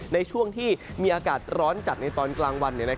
ในช่วงที่มีอากาศร้อนจัดในตอนกลางวัน